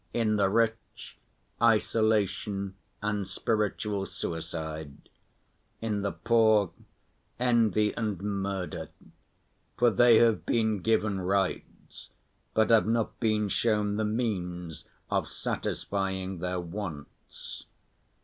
In the rich, isolation and spiritual suicide; in the poor, envy and murder; for they have been given rights, but have not been shown the means of satisfying their wants.